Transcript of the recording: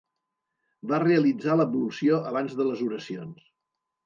Va realitzar l'ablució abans de les oracions.